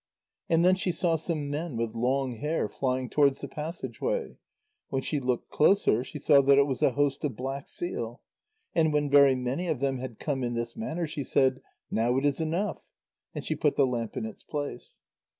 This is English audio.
And then she saw some men with long hair flying towards the passage way. When she looked closer, she saw that it was a host of black seal. And when very many of them had come in this manner, she said: "Now it is enough." And she put the lamp in its place.